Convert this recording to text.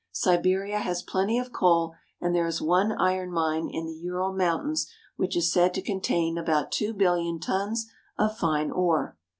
Siberia has plenty of coal, and 'there is one iron rnine in the Ural Mountains which is said to contain about two billion tons of fine ore.